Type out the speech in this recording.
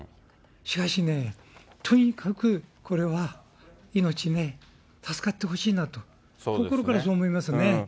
しかしね、とにかくこれは、命ね、助かってほしいなと、心からそう思いますね。